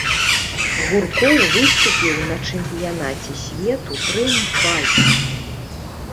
Гуркоў выступіў на чэмпіянаце свету трыумфальна.